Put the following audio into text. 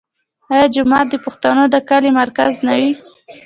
آیا جومات د پښتنو د کلي مرکز نه وي؟